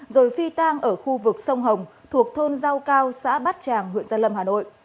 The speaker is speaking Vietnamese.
rồi phi tang ở khu vực sông hồng thuộc thôn giao cao xã bát tràng huyện gia lâm hà nội